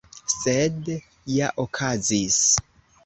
Sed ja okazis!